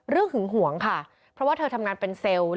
หึงหวงค่ะเพราะว่าเธอทำงานเป็นเซลล์